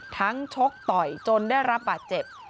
ชกต่อยจนได้รับบาดเจ็บ